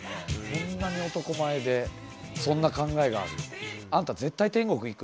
こんなに男前でそんな考えがある。